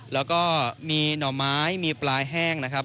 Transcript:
แล้วก็มีหน่อไม้มีปลายแห้งนะครับ